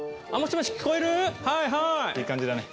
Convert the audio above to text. いい感じだね。